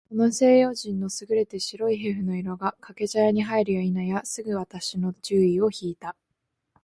その西洋人の優れて白い皮膚の色が、掛茶屋へ入るや否いなや、すぐ私の注意を惹（ひ）いた。